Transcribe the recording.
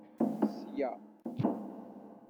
Sya.